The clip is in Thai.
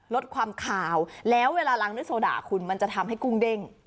ลดความขาวแล้วเวลาล้างด้วยโซดาคุณมันจะทำให้กุ้งเด้ง